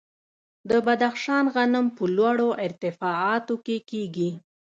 د بدخشان غنم په لوړو ارتفاعاتو کې کیږي.